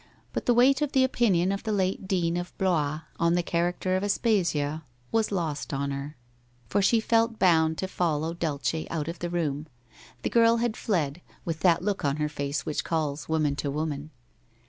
But the weight of the opinion of the late Dean of Blois on the character of Aspasia was lost on her, for she felt bound to follow Dulce out WHITE ROSE OF WEARY LEAF 73 of the room. The girl had fled, with that look on her face which calls woman to woman.